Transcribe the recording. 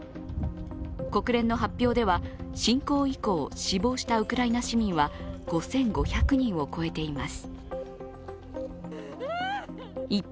国連の発表では侵攻以降、死亡したウクライナ市民は５５００人を超えています。